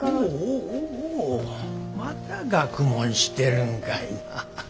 おおまた学問してるんかいな。